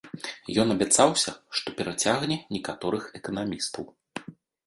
Ён абяцаўся, што перацягне некаторых эканамістаў.